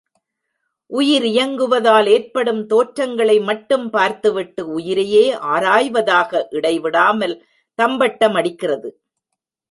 உயிர் இயங்குவதால் ஏற்படும் தோற்றங்களை மட்டும் பார்த்துவிட்டு, உயிரையே ஆராய்வதாக இடைவிடாமல் தம்பட்ட மடிக்கிறது.